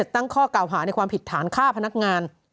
ตั้งข้อเก่าหาในความผิดฐานฆ่าพนักงาน